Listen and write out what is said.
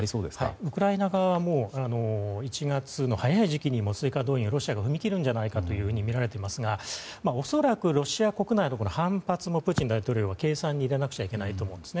ウクライナ側はもう１月の早い時期に追加動員をロシアが踏み切るんじゃないかと思われていますが恐らく、ロシア側の反発もプーチン大統領は計算に入れなくちゃいけないと思うんですね。